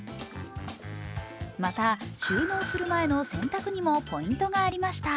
また、収納する前の洗濯にもポイントがありました。